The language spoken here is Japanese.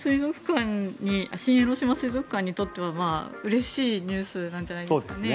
新江ノ島水族館にとってはうれしいニュースなんじゃないですかね。